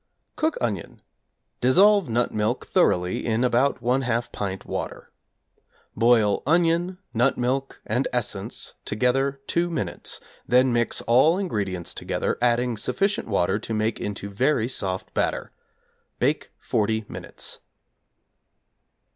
Cook onion; dissolve nut milk thoroughly in about 1/2 pint water. Boil onion, nut milk, and essence together two minutes, then mix all ingredients together, adding sufficient water to make into very soft batter; bake 40 minutes.